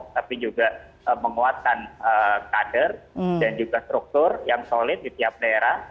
tapi juga menguatkan kader dan juga struktur yang solid di tiap daerah